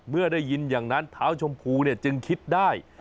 ได้ยินอย่างนั้นเท้าชมพูจึงคิดได้